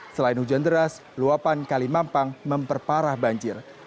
selain hujan deras luapan kalimampang memperparah banjir